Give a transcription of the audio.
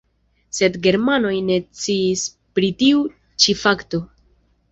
Sed germanoj ne sciis pri tiu ĉi fakto.